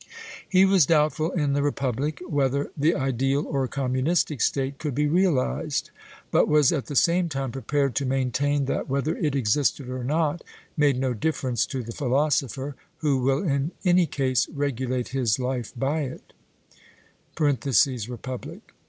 He was doubtful in the Republic whether the ideal or communistic state could be realized, but was at the same time prepared to maintain that whether it existed or not made no difference to the philosopher, who will in any case regulate his life by it (Republic).